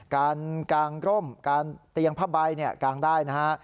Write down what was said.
การกางร่มการเตียงผ้าใบกางได้นะฮะ